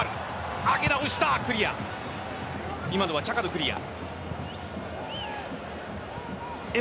今のはチャカのクリア。